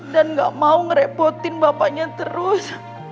dan gak mau ngerepotin bapaknya terus